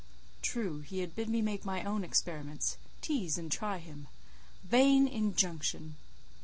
True, he had bid me make my own experiments—tease and try him. Vain injunction!